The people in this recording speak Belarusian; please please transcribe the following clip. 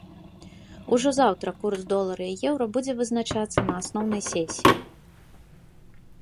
Ужо заўтра курс долара і еўра будзе вызначацца на асноўнай сесіі.